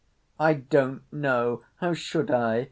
"I don't know. How should I?